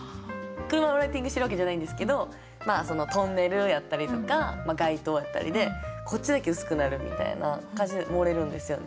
車のライティングしてるわけじゃないんですけどトンネルやったりとか街灯やったりでこっちだけ薄くなるみたいな感じで盛れるんですよ。